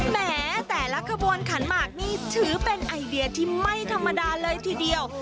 แม้แต่ละขบวนขันหมากนี่ถือเป็นไอเดียที่ไม่ธรรมดาเลยทีเดียว